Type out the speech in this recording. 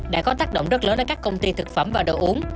đã có tác động rất lớn đến các công ty thực phẩm và đồ uống